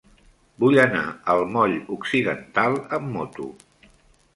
Vull anar al moll Occidental amb moto.